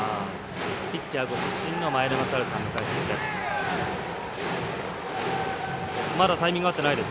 ピッチャーご出身の前田正治さんの解説です。